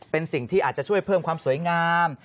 เป็นสิ่งที่อาจจะช่วยเพิ่มความสวยงาม